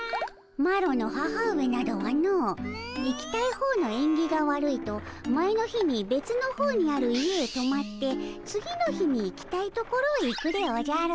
マロの母上などはの行きたい方のえんぎが悪いと前の日にべつの方にある家へとまって次の日に行きたいところへ行くでおじゃる。